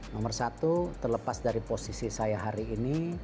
nomor satu terlepas dari posisi saya hari ini